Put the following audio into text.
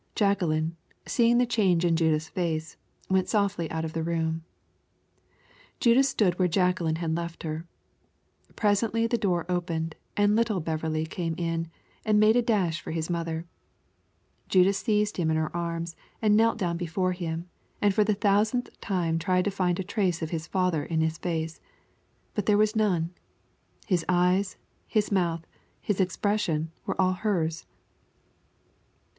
Jacqueline, seeing the change in Judith's face, went softly out of the room. Judith stood where Jacqueline had left her. Presently the door opened, and little Beverley came in, and made a dash for his mother. Judith seized him in her arms, and knelt down before him, and for the thousandth time tried to find a trace of his father in his face. But there was none. His eyes, his mouth, his expression, were all hers.